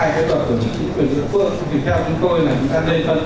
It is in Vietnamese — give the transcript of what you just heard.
thì theo chúng tôi là chúng ta nên phân cấp ủy quyền cái việc phân cấp cái này từ trong luật